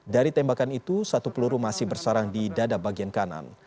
dari tembakan itu satu peluru masih bersarang di dada bagian kanan